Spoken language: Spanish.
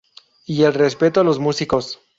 Y el respeto a los músicos.